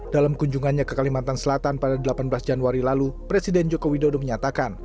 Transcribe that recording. dalam kunjungannya ke kalimantan selatan pada delapan belas januari lalu presiden joko widodo menyatakan